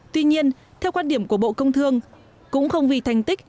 tuy nhiên theo quan điểm của bộ công thương cũng không vì thành tích